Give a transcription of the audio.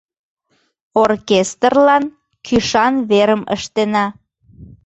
— Оркестрлан кӱшан верым ыштена.